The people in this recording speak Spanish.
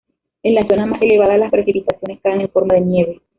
En las zonas más elevadas las precipitaciones caen en forma de nieve.